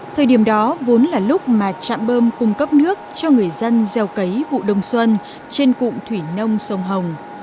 thời điểm đó vốn là lúc mà trạm bơm cung cấp nước cho người dân gieo cấy vụ đông xuân trên cụm thủy nông sông hồng